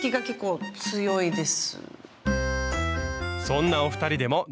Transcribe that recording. そんなお二人でも大丈夫。